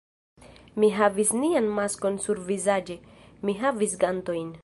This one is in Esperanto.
Mi havis nian maskon survizaĝe, mi havis gantojn.